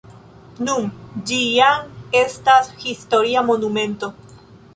Nun ĝi jam estas historia monumento.